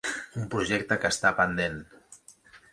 Un projecte que està pendent.